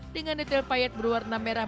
dengan detail payat berwarna merah